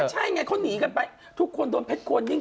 ใช่ไงเขาหนีกันไปทุกคนโดนเพชรควรนิ่ง